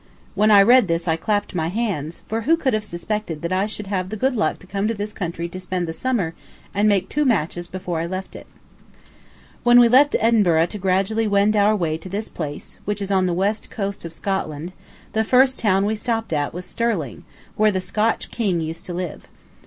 When I read this I clapped my hands, for who could have suspected that I should have the good luck to come to this country to spend the summer and make two matches before I left it! When we left Edinburgh to gradually wend our way to this place, which is on the west coast of Scotland, the first town we stopped at was Stirling, where the Scotch kings used to live.